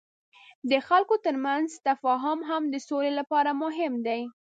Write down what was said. د خلکو ترمنځ تفاهم د سولې لپاره مهم دی.